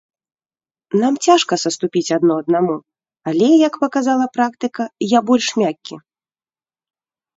Нам цяжка саступіць адно аднаму, але, як паказала практыка, я больш мяккі.